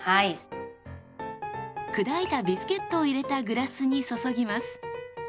砕いたビスケットを入れたグラスに注ぎます。